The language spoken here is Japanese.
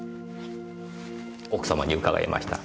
奥様に伺いました。